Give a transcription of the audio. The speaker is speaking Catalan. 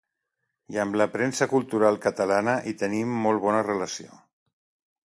I amb la premsa cultural catalana hi tenim molt bona relació.